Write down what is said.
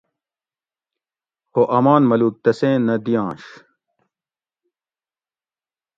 خو آمان ملوک تسیں نہ دئینش